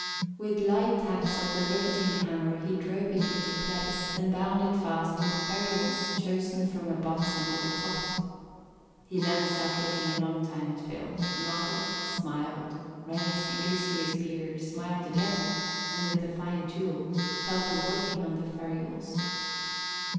With light taps of the riveting hammer he drove it into place and bound it fast with ferules chosen from a box under the cot. He then sat looking a long time at Phil, nodded, smiled, ran his fingers through his beard, smiled again and, with a fine tool, fell to working on the ferules.